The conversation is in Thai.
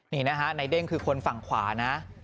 นี่นะฮะในเด้งคือคนฝั่งขวานะ